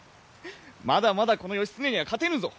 まだまだこの義経には勝てぬぞ！